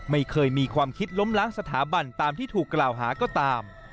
ไม่เคยมีความคิดล้มล้างสถาบันตามที่ถูกกล่าวหาก็ตาม